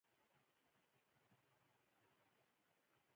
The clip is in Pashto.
د دې خاورې هر ډبره تاریخ لري